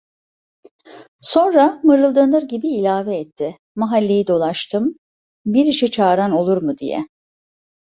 Sonra mırıldanır gibi ilave etti: "Mahalleyi dolaştım. Bir işe çağıran olur mu diye!"